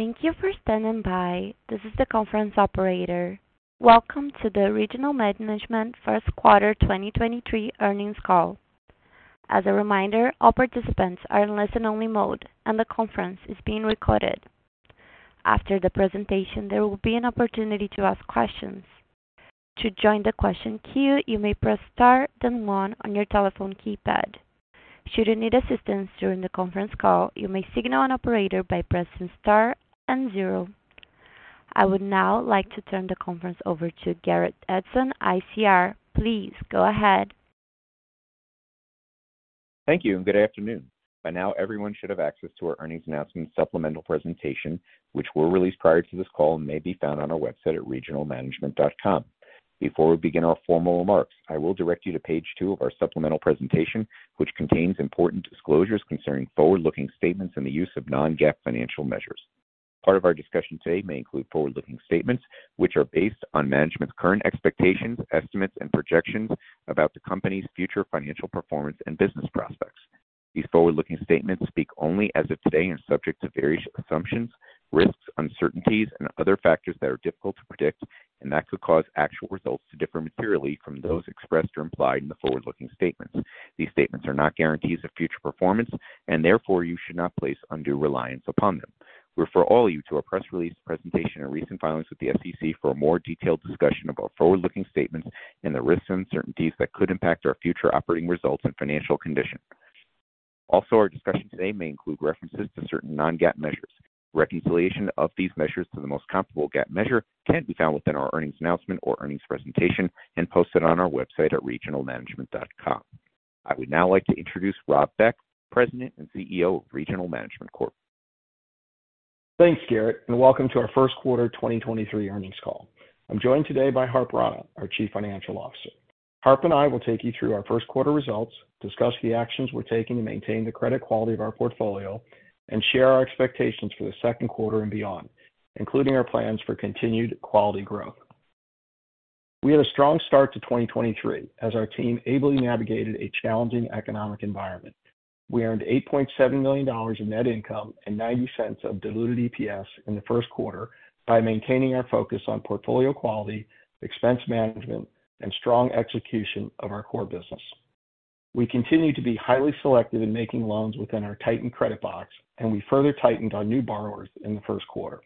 Thank you for standing by. This is the conference operator. Welcome to the Regional Management first quarter 2023 earnings call. As a reminder, all participants are in listen-only mode, and the conference is being recorded. After the presentation, there will be an opportunity to ask questions. To join the question queue, you may press star then one on your telephone keypad. Should you need assistance during the conference call, you may signal an operator by pressing star and 0. I would now like to turn the conference over to Garrett Edson, ICR. Please go ahead. Thank you and good afternoon. By now, everyone should have access to our earnings announcement supplemental presentation which were released prior to this call and may be found on our website at regionalmanagement.com. Before we begin our formal remarks, I will direct you to page two of our supplemental presentation which contains important disclosures concerning forward-looking statements and the use of non-GAAP financial measures. Part of our discussion today may include forward-looking statements which are based on management's current expectations, estimates, and projections about the company's future financial performance and business prospects. These forward-looking statements speak only as of today and are subject to various assumptions, risks, uncertainties, and other factors that are difficult to predict and that could cause actual results to differ materially from those expressed or implied in the forward-looking statements. These statements are not guarantees of future performance. Therefore you should not place undue reliance upon them. We refer all you to a press release presentation and recent filings with the SEC for a more detailed discussion about forward-looking statements and the risks and uncertainties that could impact our future operating results and financial condition. Our discussion today may include references to certain non-GAAP measures. Reconciliation of these measures to the most comparable GAAP measure can be found within our earnings announcement or earnings presentation and posted on our website at regionalmanagement.com. I would now like to introduce Rob Beck, President and CEO of Regional Management Corp. Thanks, Garrett, and welcome to our first quarter 2023 earnings call. I'm joined today by Harpreet Rana, our Chief Financial Officer. Harp and I will take you through our first quarter results, discuss the actions we're taking to maintain the credit quality of our portfolio, and share our expectations for the second quarter and beyond, including our plans for continued quality growth. We had a strong start to 2023 as our team ably navigated a challenging economic environment. We earned $8.7 million in net income and $0.90 of diluted EPS in the first quarter by maintaining our focus on portfolio quality, expense management, and strong execution of our core business. We continue to be highly selective in making loans within our tightened credit box, and we further tightened our new borrowers in the first quarter.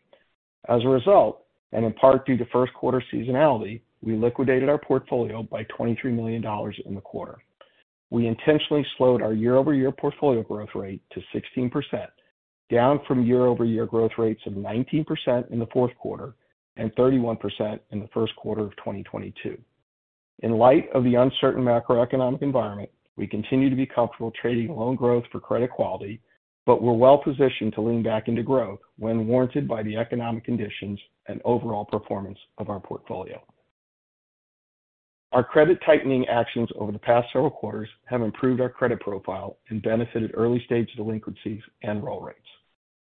As a result, and in part due to first quarter seasonality, we liquidated our portfolio by $23 million in the quarter. We intentionally slowed our year-over-year portfolio growth rate to 16%, down from year-over-year growth rates of 19% in the fourth quarter and 31% in the first quarter of 2022. In light of the uncertain macroeconomic environment, we continue to be comfortable trading loan growth for credit quality, but we're well-positioned to lean back into growth when warranted by the economic conditions and overall performance of our portfolio. Our credit tightening actions over the past several quarters have improved our credit profile and benefited early-stage delinquencies and roll rates.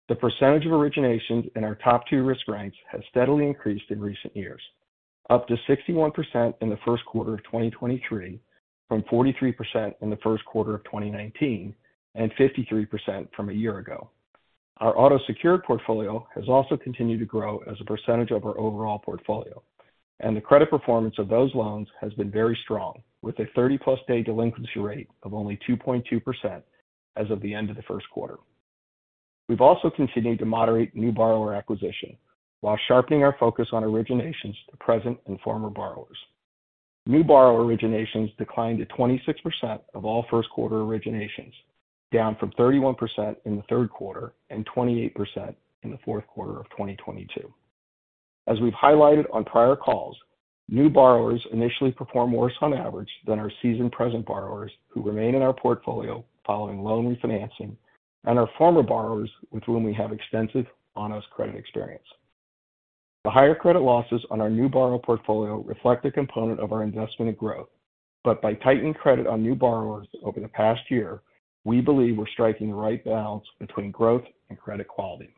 The percentage of originations in our top two risk ranks has steadily increased in recent years, up to 61% in the first quarter of 2023 from 43% in the first quarter of 2019 and 53% from a year ago. Our auto-secured portfolio has also continued to grow as a percentage of our overall portfolio, and the credit performance of those loans has been very strong, with a 30+ day delinquency rate of only 2.2% as of the end of the first quarter. We've also continued to moderate new borrower acquisition while sharpening our focus on originations to present and former borrowers. New borrower originations declined to 26% of all first quarter originations, down from 31% in the third quarter and 28% in the fourth quarter of 2022. As we've highlighted on prior calls, new borrowers initially perform worse on average than our seasoned present borrowers who remain in our portfolio following loan refinancing and our former borrowers with whom we have extensive on-us credit experience. The higher credit losses on our new borrower portfolio reflect a component of our investment and growth. By tightening credit on new borrowers over the past year, we believe we're striking the right balance between growth and credit quality.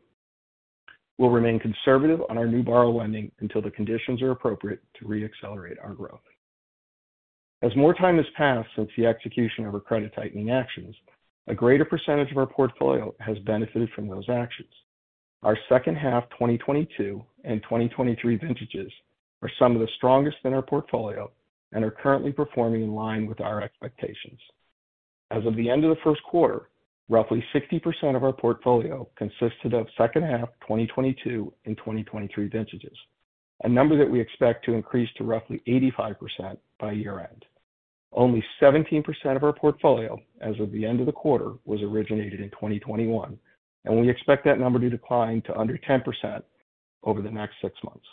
We'll remain conservative on our new borrower lending until the conditions are appropriate to re-accelerate our growth. As more time has passed since the execution of our credit tightening actions, a greater percentage of our portfolio has benefited from those actions. Our second half 2022 and 2023 vintages are some of the strongest in our portfolio and are currently performing in line with our expectations. As of the end of the first quarter, roughly 60% of our portfolio consisted of second half 2022 and 2023 vintages, a number that we expect to increase to roughly 85% by year-end. Only 17% of our portfolio as of the end of the quarter was originated in 2021, and we expect that number to decline to under 10% over the next six months.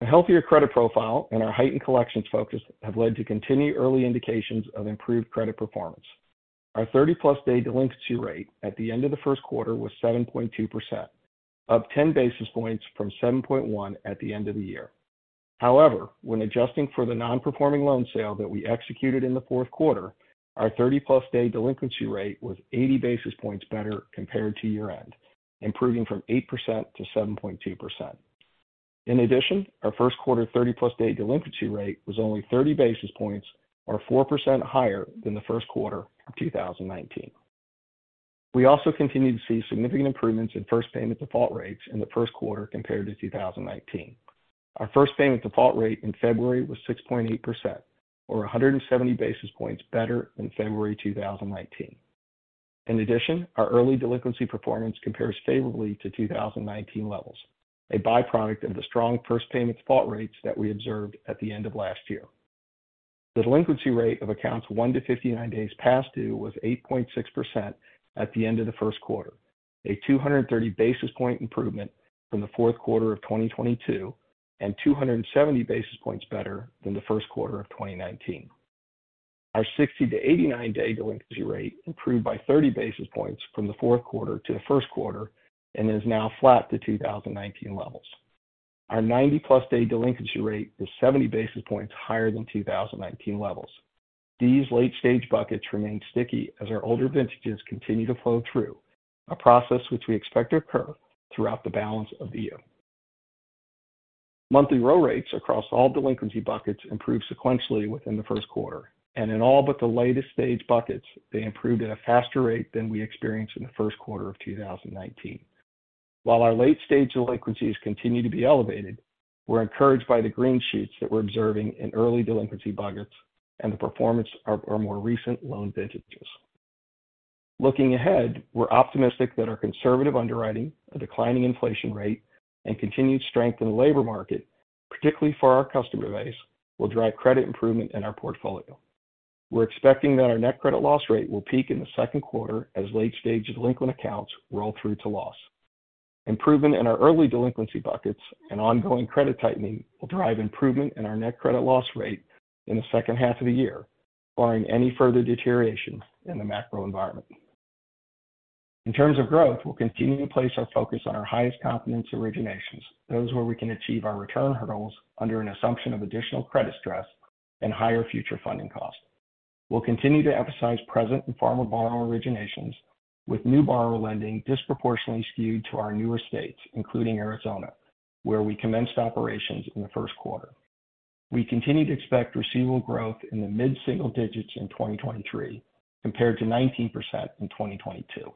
A healthier credit profile and our heightened collections focus have led to continued early indications of improved credit performance. Our 30-plus day delinquency rate at the end of the first quarter was 7.2%, up 10 basis points from 7.1 at the end of the year. When adjusting for the non-performing loan sale that we executed in the fourth quarter, our 30-plus day delinquency rate was 80 basis points better compared to year-end, improving from 8% to 7.2%. Our first quarter 30-plus day delinquency rate was only 30 basis points or 4% higher than the first quarter of 2019. We also continue to see significant improvements in first payment default rates in the first quarter compared to 2019. Our first payment default rate in February was 6.8% or 170 basis points better than February 2019. Our early delinquency performance compares favorably to 2019 levels, a by-product of the strong first payment default rates that we observed at the end of last year. The delinquency rate of accounts 1 to 59 days past due was 8.6% at the end of the first quarter, a 230 basis point improvement from the fourth quarter of 2022 and 270 basis points better than the first quarter of 2019. Our 60 to 89 day delinquency rate improved by 30 basis points from the fourth quarter to the first quarter and is now flat to 2019 levels. Our 90-plus day delinquency rate is 70 basis points higher than 2019 levels. These late-stage buckets remain sticky as our older vintages continue to flow through, a process which we expect to occur throughout the balance of the year. Monthly roll rates across all delinquency buckets improved sequentially within the first quarter, and in all but the latest stage buckets, they improved at a faster rate than we experienced in the first quarter of 2019. While our late-stage delinquencies continue to be elevated, we're encouraged by the green sheets that we're observing in early delinquency buckets and the performance of our more recent loan vintages. Looking ahead, we're optimistic that our conservative underwriting, a declining inflation rate, and continued strength in the labor market, particularly for our customer base, will drive credit improvement in our portfolio. We're expecting that our net credit loss rate will peak in the second quarter as late-stage delinquent accounts roll through to loss. Improvement in our early delinquency buckets and ongoing credit tightening will drive improvement in our net credit loss rate in the second half of the year, barring any further deterioration in the macro environment. In terms of growth, we'll continue to place our focus on our highest confidence originations, those where we can achieve our return hurdles under an assumption of additional credit stress and higher future funding costs. We'll continue to emphasize present and former borrower originations, with new borrower lending disproportionately skewed to our newer states, including Arizona, where we commenced operations in the first quarter. We continue to expect receivable growth in the mid-single digits in 2023 compared to 19% in 2022.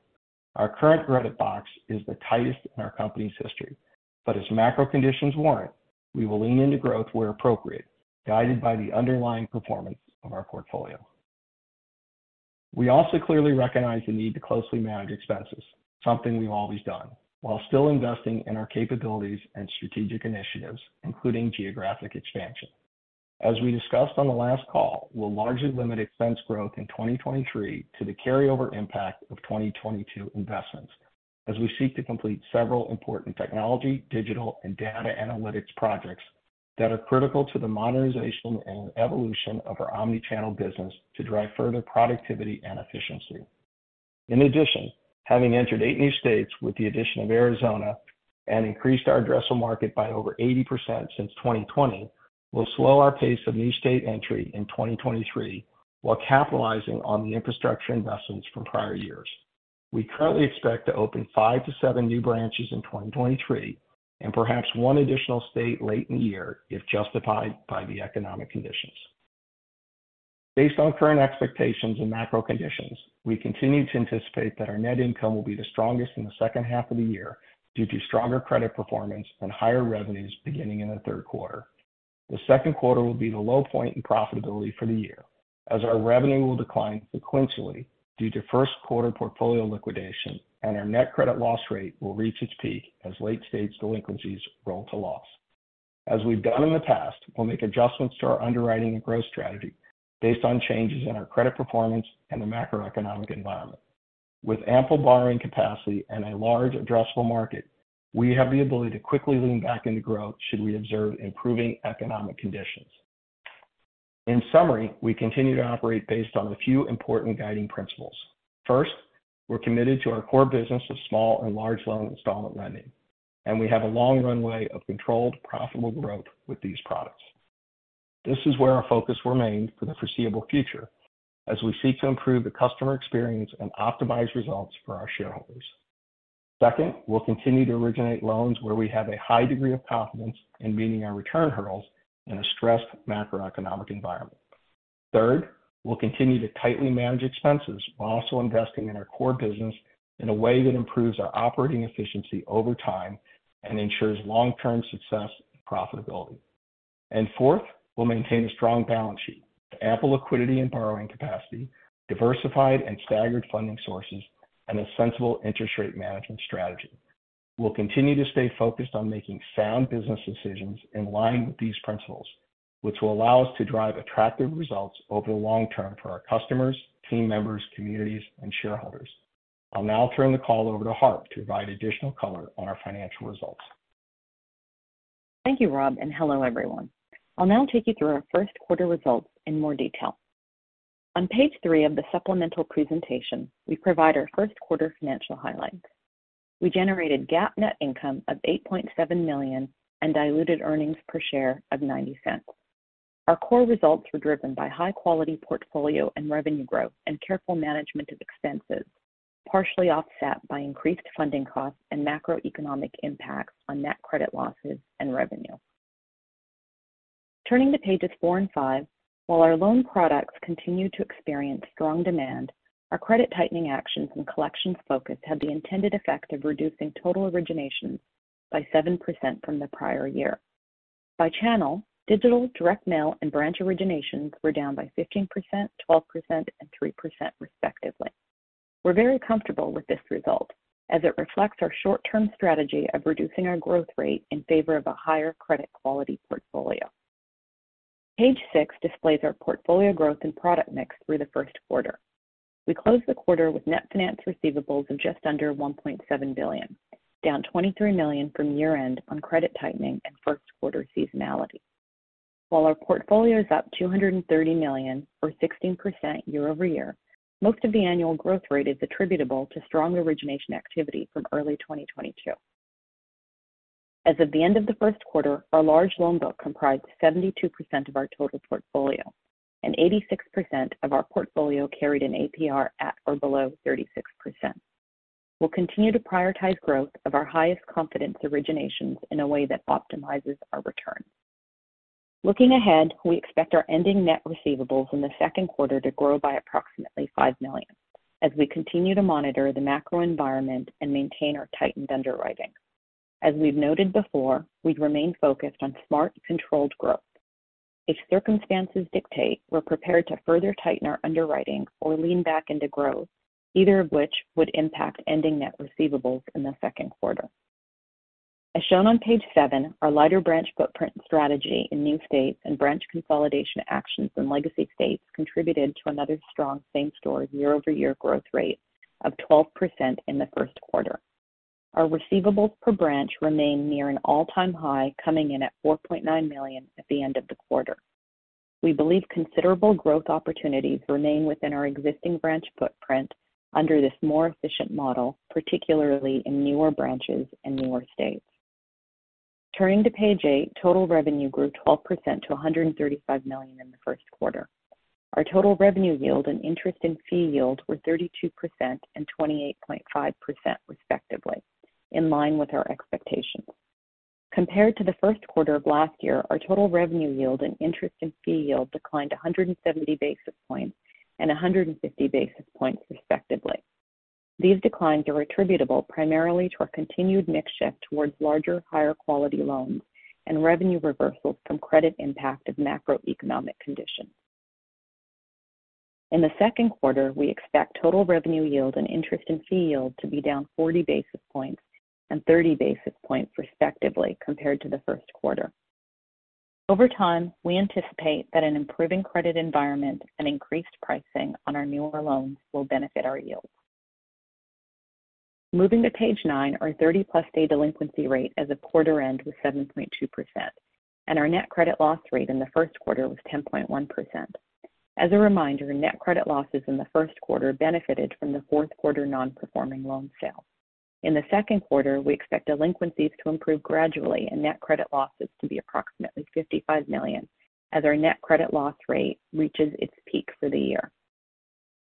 As macro conditions warrant, we will lean into growth where appropriate, guided by the underlying performance of our portfolio. We also clearly recognize the need to closely manage expenses, something we've always done, while still investing in our capabilities and strategic initiatives, including geographic expansion. As we discussed on the last call, we'll largely limit expense growth in 2023 to the carryover impact of 2022 investments as we seek to complete several important technology, digital, and data analytics projects that are critical to the modernization and evolution of our omni-channel business to drive further productivity and efficiency. Having entered eight new states with the addition of Arizona and increased our addressable market by over 80% since 2020, we'll slow our pace of new state entry in 2023 while capitalizing on the infrastructure investments from prior years. We currently expect to open five to seven new branches in 2023 and perhaps one additional state late in the year if justified by the economic conditions. Based on current expectations and macro conditions, we continue to anticipate that our net income will be the strongest in the second half of the year due to stronger credit performance and higher revenues beginning in the third quarter. The second quarter will be the low point in profitability for the year as our revenue will decline sequentially due to first quarter portfolio liquidation and our net credit loss rate will reach its peak as late-stage delinquencies roll to loss. As we've done in the past, we'll make adjustments to our underwriting and growth strategy based on changes in our credit performance and the macroeconomic environment. With ample borrowing capacity and a large addressable market, we have the ability to quickly lean back into growth should we observe improving economic conditions. In summary, we continue to operate based on a few important guiding principles. First, we're committed to our core business of small and large loan installment lending, and we have a long runway of controlled, profitable growth with these products. This is where our focus remains for the foreseeable future as we seek to improve the customer experience and optimize results for our shareholders. Second, we'll continue to originate loans where we have a high degree of confidence in meeting our return hurdles in a stressed macroeconomic environment. Third, we'll continue to tightly manage expenses while also investing in our core business in a way that improves our operating efficiency over time and ensures long-term success and profitability. Fourth, we'll maintain a strong balance sheet, ample liquidity and borrowing capacity, diversified and staggered funding sources, and a sensible interest rate management strategy. We'll continue to stay focused on making sound business decisions in line with these principles, which will allow us to drive attractive results over the long term for our customers, team members, communities, and shareholders. I'll now turn the call over to Harp to provide additional color on our financial results. Thank you, Rob, and hello, everyone. I'll now take you through our first quarter results in more detail. On page three of the supplemental presentation, we provide our first quarter financial highlights. We generated GAAP net income of $8.7 million and diluted earnings per share of $0.90. Our core results were driven by high quality portfolio and revenue growth and careful management of expenses, partially offset by increased funding costs and macroeconomic impacts on net credit losses and revenue. Turning to pages four and five, while our loan products continue to experience strong demand, our credit tightening actions and collections focus had the intended effect of reducing total originations by 7% from the prior year. By channel, digital, direct mail, and branch originations were down by 15%, 12%, and 3% respectively. We're very comfortable with this result as it reflects our short-term strategy of reducing our growth rate in favor of a higher credit quality portfolio. Page six displays our portfolio growth and product mix through the first quarter. We closed the quarter with net finance receivables of just under $1.7 billion, down $23 million from year-end on credit tightening and first quarter seasonality. While our portfolio is up $230 million or 16% year-over-year, most of the annual growth rate is attributable to strong origination activity from early 2022. As of the end of the first quarter, our large loan book comprised 72% of our total portfolio and 86% of our portfolio carried an APR at or below 36%. We'll continue to prioritize growth of our highest confidence originations in a way that optimizes our return. Looking ahead, we expect our ending net receivables in the second quarter to grow by approximately $5 million as we continue to monitor the macro environment and maintain our tightened underwriting. We've noted before, we remain focused on smart, controlled growth. If circumstances dictate, we're prepared to further tighten our underwriting or lean back into growth, either of which would impact ending net receivables in the second quarter. Shown on page seven, our lighter branch footprint strategy in new states and branch consolidation actions in legacy states contributed to another strong same-store year-over-year growth rate of 12% in the first quarter. Our receivables per branch remain near an all-time high, coming in at $4.9 million at the end of the quarter. We believe considerable growth opportunities remain within our existing branch footprint under this more efficient model, particularly in newer branches and newer states. Turning to page eight, total revenue grew 12% to $135 million in the first quarter. Our total revenue yield and interest and fee yield were 32% and 28.5% respectively, in line with our expectations. Compared to the first quarter of last year, our total revenue yield and interest and fee yield declined 170 basis points and 150 basis points respectively. These declines are attributable primarily to our continued mix shift towards larger, higher quality loans and revenue reversals from credit impact of macroeconomic conditions. In the second quarter, we expect total revenue yield and interest in fee yield to be down 40 basis points and 30 basis points respectively compared to the first quarter. Over time, we anticipate that an improving credit environment and increased pricing on our newer loans will benefit our yields. Moving to page nine, our 30+ day delinquency rate as of quarter end was 7.2%, and our net credit loss rate in the first quarter was 10.1%. As a reminder, net credit losses in the first quarter benefited from the fourth quarter non-performing loan sale. In the second quarter, we expect delinquencies to improve gradually and net credit losses to be approximately $55 million as our net credit loss rate reaches its peak for the year.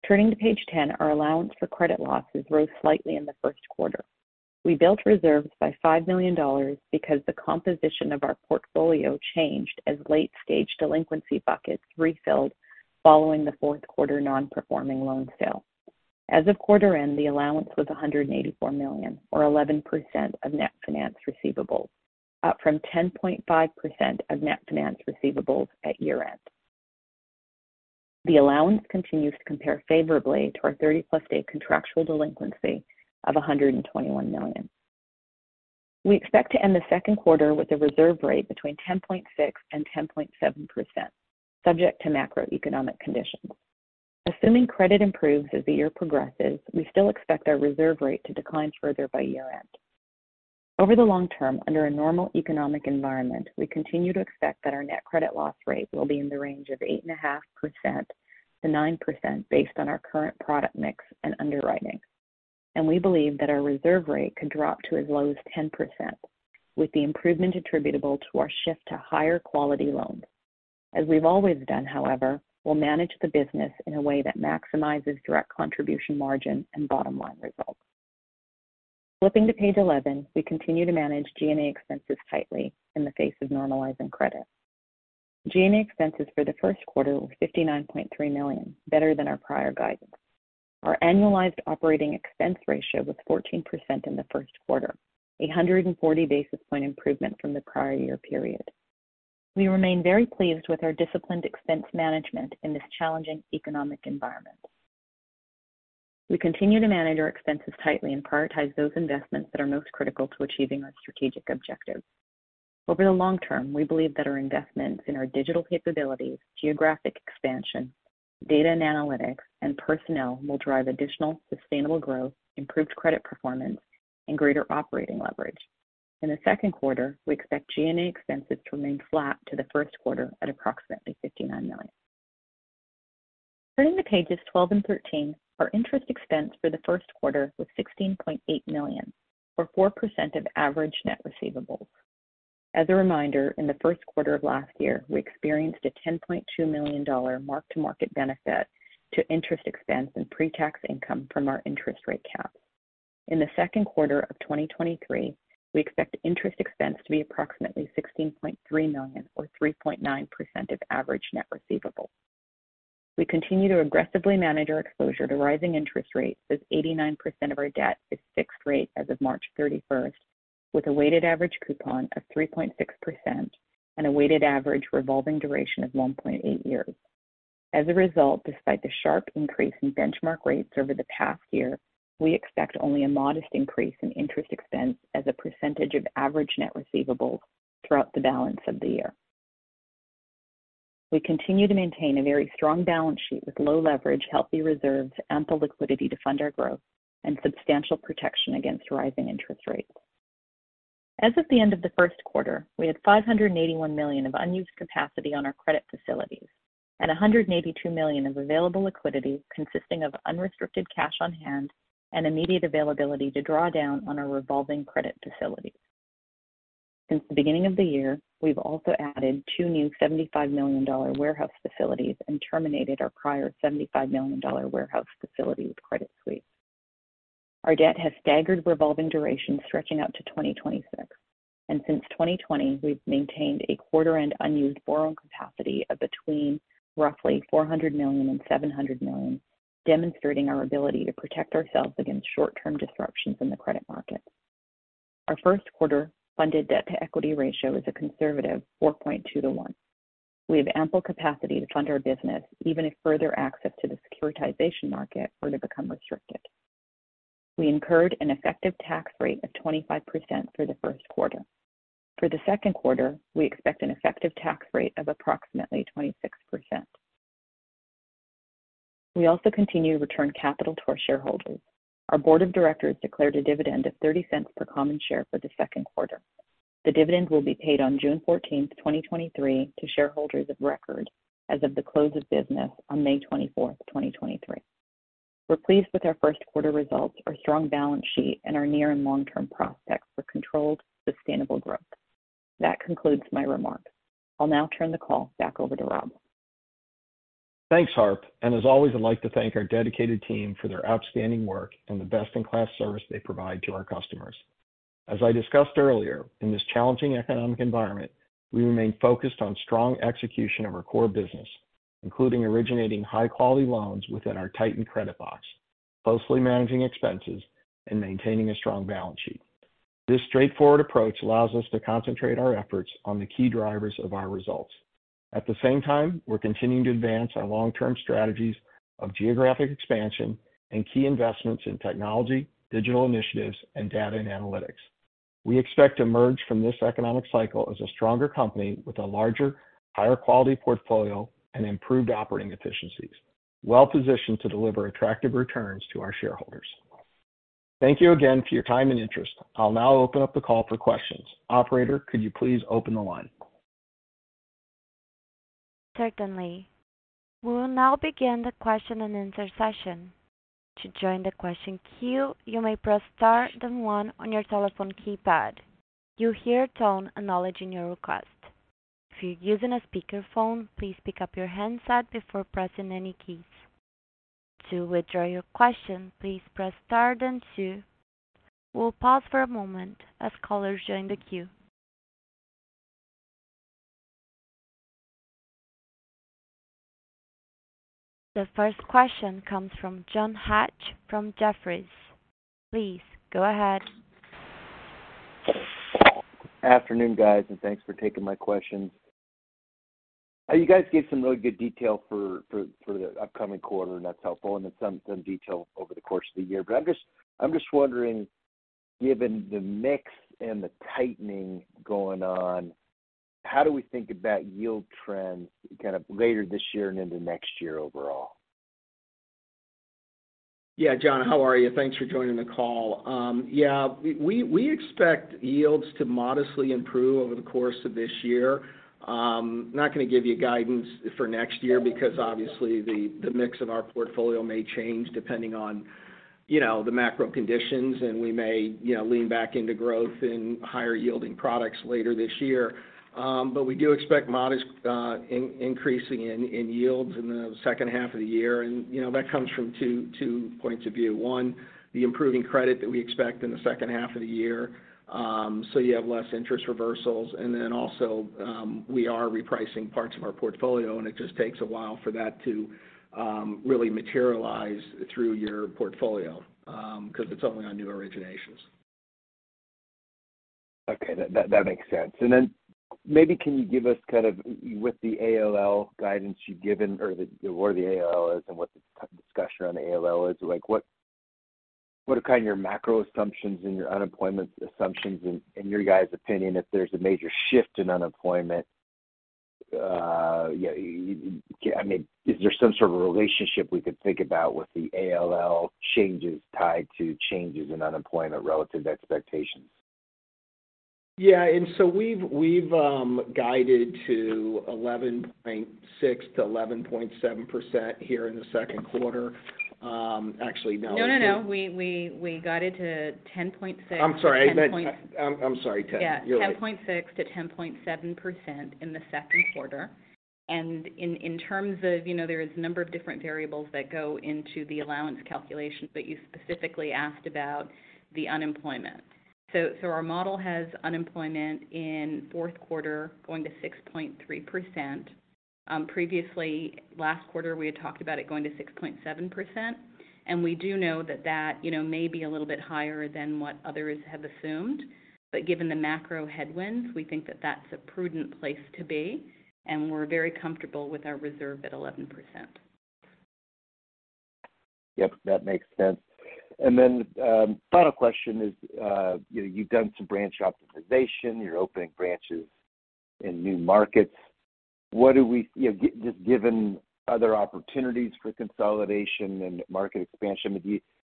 Turning to page 10, our allowance for credit losses rose slightly in the first quarter. We built reserves by $5 million because the composition of our portfolio changed as late-stage delinquency buckets refilled following the fourth quarter non-performing loan sale. As of quarter end, the allowance was $184 million or 11% of net finance receivables, up from 10.5% of net finance receivables at year-end. The allowance continues to compare favorably to our 30+ day contractual delinquency of $121 million. We expect to end the second quarter with a reserve rate between 10.6% and 10.7%, subject to macroeconomic conditions. Assuming credit improves as the year progresses, we still expect our reserve rate to decline further by year-end. Over the long term, under a normal economic environment, we continue to expect that our net credit loss rate will be in the range of 8.5%-9% based on our current product mix and underwriting. We believe that our reserve rate could drop to as low as 10% with the improvement attributable to our shift to higher quality loans. As we've always done, however, we'll manage the business in a way that maximizes direct contribution margin and bottom line results. Flipping to page 11, we continue to manage G&A expenses tightly in the face of normalizing credit. G&A expenses for the first quarter were $59.3 million, better than our prior guidance. Our annualized operating expense ratio was 14% in the first quarter, a 140 basis point improvement from the prior year period. We remain very pleased with our disciplined expense management in this challenging economic environment. We continue to manage our expenses tightly and prioritize those investments that are most critical to achieving our strategic objectives. Over the long term, we believe that our investments in our digital capabilities, geographic expansion, data and analytics, and personnel will drive additional sustainable growth, improved credit performance, and greater operating leverage. In the second quarter, we expect G&A expenses to remain flat to the first quarter at approximately $59 million. Turning to pages 12 and 13, our interest expense for the first quarter was $16.8 million, or 4% of average net receivables. As a reminder, in the first quarter of last year, we experienced a $10.2 million mark-to-market benefit to interest expense and pre-tax income from our interest rate cap. In the second quarter of 2023, we expect interest expense to be approximately $16.3 million or 3.9% of average net receivable. We continue to aggressively manage our exposure to rising interest rates as 89% of our debt is fixed rate as of March 31st, with a weighted average coupon of 3.6% and a weighted average revolving duration of 1.8 years. Despite the sharp increase in benchmark rates over the past year, we expect only a modest increase in interest expense as a percentage of average net receivables throughout the balance of the year. We continue to maintain a very strong balance sheet with low leverage, healthy reserves, ample liquidity to fund our growth, and substantial protection against rising interest rates. As of the end of the first quarter, we had $581 million of unused capacity on our credit facilities and $182 million of available liquidity consisting of unrestricted cash on hand and immediate availability to draw down on our revolving credit facility. Since the beginning of the year, we've also added two new $75 million warehouse facilities and terminated our prior $75 million warehouse facility with Credit Suisse. Our debt has staggered revolving duration stretching out to 2026. Since 2020, we've maintained a quarter-end unused borrowing capacity of between roughly $400 million and $700 million, demonstrating our ability to protect ourselves against short-term disruptions in the credit markets. Our first quarter funded debt-to-equity ratio is a conservative 4.2 to 1. We have ample capacity to fund our business, even if further access to the securitization market were to become restricted. We incurred an effective tax rate of 25% for the first quarter. For the second quarter, we expect an effective tax rate of approximately 26%. We also continue to return capital to our shareholders. Our board of directors declared a dividend of $0.30 per common share for the second quarter. The dividend will be paid on June 14th, 2023, to shareholders of record as of the close of business on May 24th, 2023. We're pleased with our first quarter results, our strong balance sheet, and our near and long-term prospects for controlled, sustainable growth. That concludes my remarks. I'll now turn the call back over to Rob. Thanks, Harp. As always, I'd like to thank our dedicated team for their outstanding work and the best-in-class service they provide to our customers. As I discussed earlier, in this challenging economic environment, we remain focused on strong execution of our core business, including originating high-quality loans within our tightened credit box, closely managing expenses, and maintaining a strong balance sheet. This straightforward approach allows us to concentrate our efforts on the key drivers of our results. At the same time, we're continuing to advance our long-term strategies of geographic expansion and key investments in technology, digital initiatives, and data and analytics. We expect to emerge from this economic cycle as a stronger company with a larger, higher quality portfolio and improved operating efficiencies, well-positioned to deliver attractive returns to our shareholders. Thank you again for your time and interest. I'll now open up the call for questions. Operator, could you please open the line? Certainly. We will now begin the question and answer session. To join the question queue, you may press star then one on your telephone keypad. You'll hear a tone acknowledging your request. If you're using a speakerphone, please pick up your handset before pressing any keys. To withdraw your question, please press star then two. We'll pause for a moment as callers join the queue. The first question comes from John Hecht from Jefferies. Please go ahead. Afternoon, guys. Thanks for taking my questions. You guys gave some really good detail for the upcoming quarter, and that's helpful, and then some detail over the course of the year. I'm just wondering, given the mix and the tightening going on, how do we think about yield trends kind of later this year and into next year overall? Yeah. John, how are you? Thanks for joining the call. Yeah, we expect yields to modestly improve over the course of this year. Not gonna give you guidance for next year because obviously the mix of our portfolio may change depending on, you know, the macro conditions and we may, you know, lean back into growth in higher-yielding products later this year. We do expect modest increasing in yields in the second half of the year. You know, that comes from two points of view. One, the improving credit that we expect in the second half of the year, so you have less interest reversals. Also, we are repricing parts of our portfolio, and it just takes a while for that to really materialize through your portfolio 'cause it's only on new originations. That makes sense. Then maybe can you give us kind of, with the ALL guidance you've given or the, or where the ALL is and what the discussion around the ALL is, like, what are kinda your macro assumptions and your unemployment assumptions in your guys' opinion, if there's a major shift in unemployment? I mean, is there some sort of relationship we could think about with the ALL changes tied to changes in unemployment relative to expectations? Yeah. We've guided to 11.6%-11.7% here in the second quarter. Actually. No, no. We got it to 10.6- I'm sorry. 10. You're right. Yeah. 10.6%-10.7% in the second quarter. In terms of, you know, there is a number of different variables that go into the allowance calculation, but you specifically asked about the unemployment. Our model has unemployment in fourth quarter going to 6.3%. Previously, last quarter, we had talked about it going to 6.7%. We do know that, you know, may be a little bit higher than what others have assumed. Given the macro headwinds, we think that that's a prudent place to be, and we're very comfortable with our reserve at 11%. Yep, that makes sense. Then, final question is, you know, you've done some branch optimization. You're opening branches in new markets. You know, just given other opportunities for consolidation and market expansion,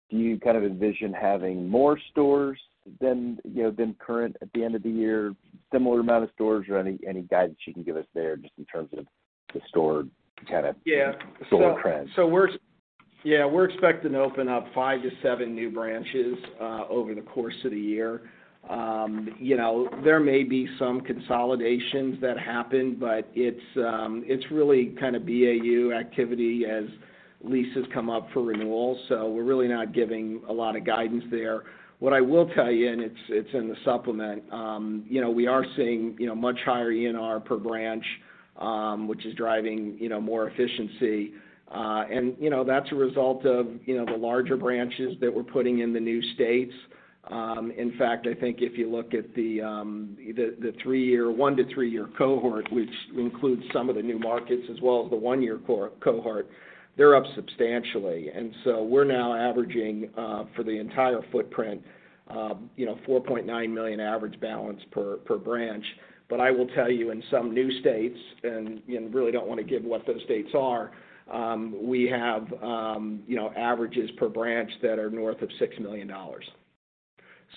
do you kind of envision having more stores than, you know, than current at the end of the year, similar amount of stores or any guidance you can give us there just in terms of the store? Yeah. The store trend. Yeah, we're expecting to open up five to seven new branches over the course of the year. You know, there may be some consolidations that happen, but it's really kind of BAU activity as leases come up for renewal. We're really not giving a lot of guidance there. What I will tell you, and it's in the supplement, you know, we are seeing, you know, much higher ENR per branch, which is driving, you know, more efficiency. You know, that's a result of, you know, the larger branches that we're putting in the new states. In fact, I think if you look at the one to three-year cohort, which includes some of the new markets as well as the one-year cohort, they're up substantially. We're now averaging, for the entire footprint, you know, $4.9 million average balance per branch. I will tell you, in some new states, and, you know, really don't wanna give what those states are, we have, you know, averages per branch that are north of $6 million.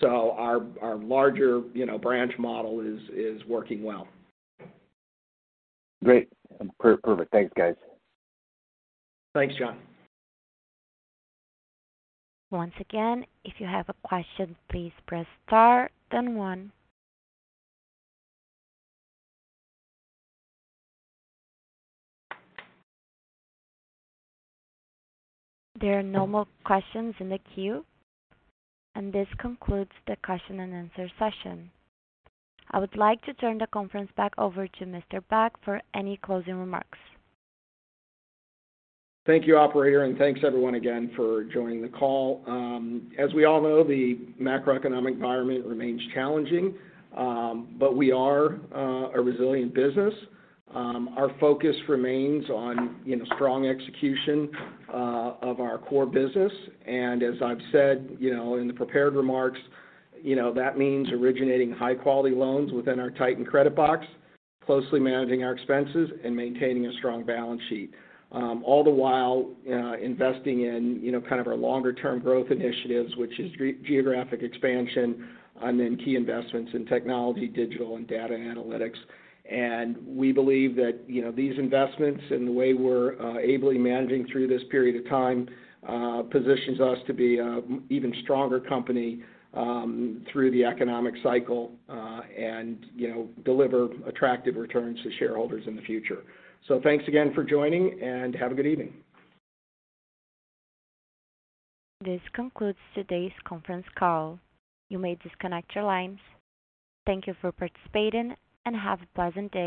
Our larger, you know, branch model is working well. Great. Perfect. Thanks, guys. Thanks, John. Once again, if you have a question, please press star then one. There are no more questions in the queue. This concludes the Q&A session. I would like to turn the conference back over to Mr. Beck for any closing remarks. Thank you, operator, and thanks everyone again for joining the call. As we all know, the macroeconomic environment remains challenging, but we are a resilient business. Our focus remains on, you know, strong execution of our core business. As I've said, you know, in the prepared remarks, you know, that means originating high quality loans within our tightened credit box, closely managing our expenses and maintaining a strong balance sheet, all the while investing in, you know, kind of our longer term growth initiatives, which is geographic expansion, and then key investments in technology, digital and data analytics. We believe that, you know, these investments and the way we're ably managing through this period of time, positions us to be a even stronger company, through the economic cycle, and, you know, deliver attractive returns to shareholders in the future. Thanks again for joining, and have a good evening. This concludes today's conference call. You may disconnect your lines. Thank you for participating, and have a pleasant day.